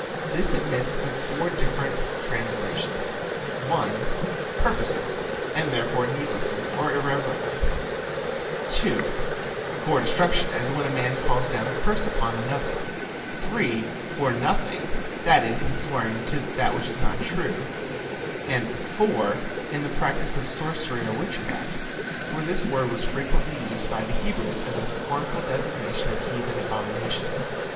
This admits of four different translations: (1) Purposelessly, and therefore needlessly or irreverently; (2) for destruction, as when a man calls down a curse upon another; (3) for nothing, that is in swearing to what is not true; and (4) in the practice of sorcery or witchcraft, for this word was frequently used by the Hebrews as a scornful designation of heathen abominations.